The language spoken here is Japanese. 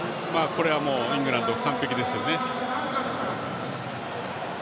イングランド、完璧ですよね。